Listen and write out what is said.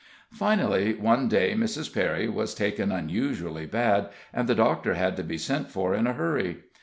Finally, one day Mrs. Perry was taken unusually bad, and the doctor had to be sent for in a hurry.